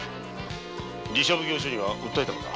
寺社奉行所には訴えたのか？